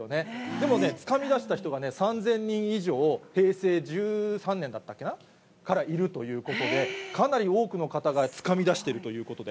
でもね、つかみ出した人が３０００人以上、平成１３年だったっけな？からいるということで、かなり多くの方が、つかみ出しているということで。